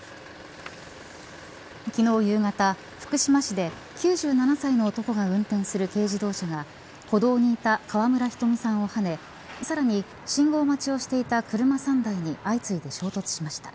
昨日夕方、福島市で９７歳の男が運転する軽自動車が歩道にいた川村ひとみさんをはねさらに信号待ちをしていた車３台に相次いで衝突しました。